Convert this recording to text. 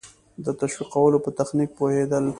د تشویقولو په تخنیک پوهېدل.